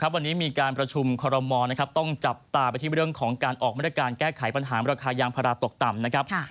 วันนี้มีการประชุมคอรมอลต้องจับตาไปที่เรื่องของการออกมาตรการแก้ไขปัญหาราคายางพาราตกต่ำนะครับ